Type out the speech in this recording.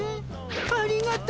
ありがとう。